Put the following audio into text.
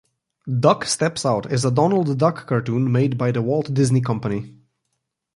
Duck Steps Out is a Donald Duck cartoon made by The Walt Disney Company.